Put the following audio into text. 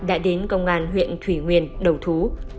đã đến công an huyện thủy nguyên đầu thú